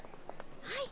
はい。